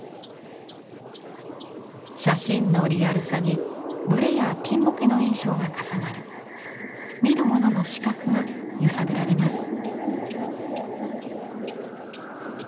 写真のリアルさにブレやピンボケの印象が重なり見る者の視覚が揺さぶられます。